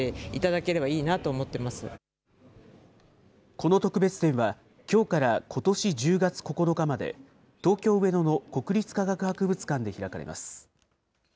この特別展は、きょうからことし１０月９日まで、東京・上野の国立科学博物館で開かれます。